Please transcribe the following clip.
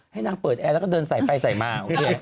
ให้นางเปิดแอร์แล้วก็เดินใส่ไปใส่มาโอเค